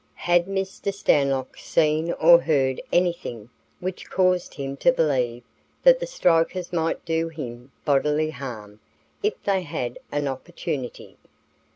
Had Mr. Stanlock seen or heard anything which caused him to believe that the strikers might do him bodily harm if they had an opportunity?